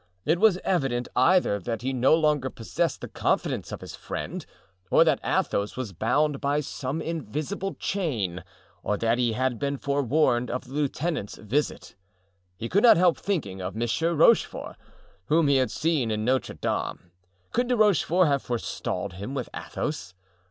It was evident either that he no longer possessed the confidence of his friend, or that Athos was bound by some invisible chain, or that he had been forewarned of the lieutenant's visit. He could not help thinking of M. Rochefort, whom he had seen in Notre Dame; could De Rochefort have forestalled him with Athos?